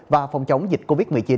và phòng chống dịch covid một mươi chín